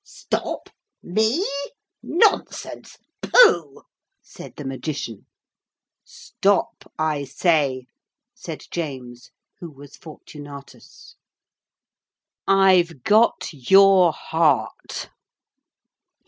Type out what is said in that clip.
'Stop? Me? Nonsense! Pooh!' said the Magician. 'Stop, I say!' said James, who was Fortunatus. '_I've got your heart!